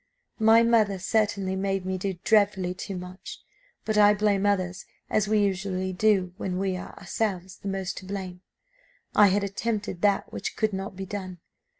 "My mother certainly made me do dreadfully too much. But I blame others, as we usually do when we are ourselves the most to blame I had attempted that which could not be done.